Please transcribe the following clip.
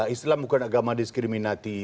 islam bukan agama diskriminasi